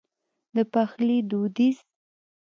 د پخلي دوديز